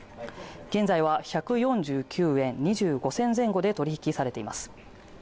現在は１４９円２５銭前後で取引されています